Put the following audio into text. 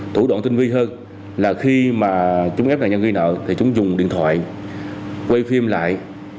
thủ đoạn tinh vi hơn là khi mà chúng ép nạn nhân gây nợ thì chúng dùng điện thoại quay phim lại